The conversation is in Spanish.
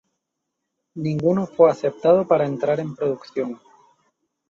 Ninguno fue aceptado para entrar en producción.